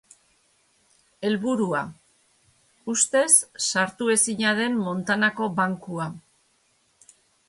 Helburua: ustez sartuezina den Montanako Bankua.